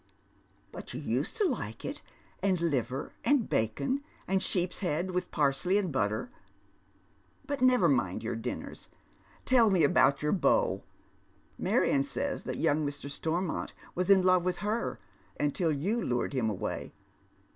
"But you used to Hke it, and liver and bacon, and sheep'a head with parsley and butter, But never mind your dinners, tell me about your beaux. Marion says that young Mr. Stormont waa in love with her until you lured him away."